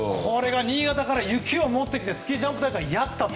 新潟から雪を持ってきてスキージャンプ大会をやったと。